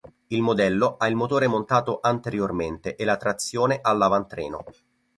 Il modello ha il motore montato anteriormente e la trazione all’avantreno.